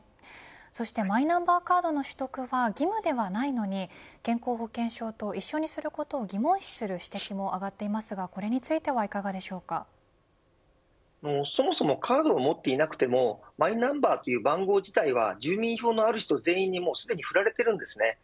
そしてマイナンバーカードの取得は義務ではないのに健康保険証と一緒にすることを疑問視する指摘も上がっていますがそもそもカードを持っていなくてもマイナンバーという番号自体は住民票のある人全員にすでに振られています。